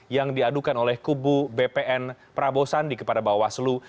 yang diadukan oleh kubu bpn prabowo sandi kepada bawaslu